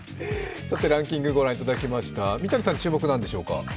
ランキング御覧いただきました、三谷さん、注目何でしょうか？